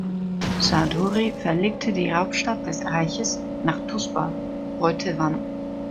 Sarduri verlegte die Hauptstadt des Reiches nach Tušpa, heute Van.